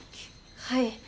はい。